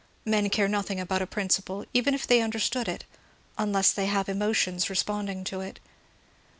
Men care nothing about a principle, even if they understood it, unless they have emotions responding to it.